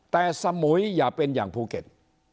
แต่สมุยอย่าเป็นอย่างภูเก็ต